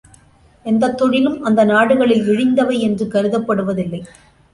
எந்தத் தொழிலும் அந்த நாடுகளில் இழிந்தவை என்று கருதப்படுவதில்லை.